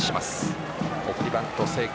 送りバント成功。